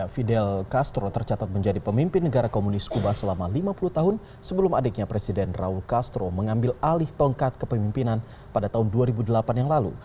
fidel castro tercatat menjadi pemimpin negara komunis kuba selama lima puluh tahun sebelum adiknya presiden raul castro mengambil alih tongkat kepemimpinan pada tahun dua ribu delapan yang lalu